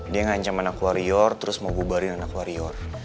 dia ngancam anak warrior terus mau bubarin anak warrior